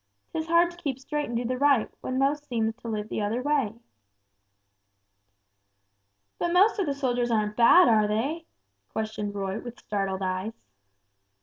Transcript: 'Tis hard to keep straight and do the right, when most seems to live the other way." "But most of the soldiers aren't bad, are they?" questioned Roy with startled eyes.